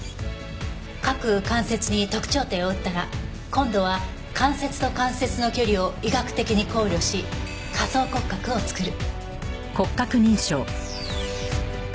各関節に特徴点を打ったら今度は関節と関節の距離を医学的に考慮し仮想骨格を作る。